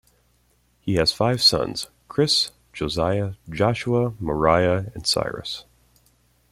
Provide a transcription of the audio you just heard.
He has five sons, Kris, Josiah, Joshua, Moriah and Cyrus.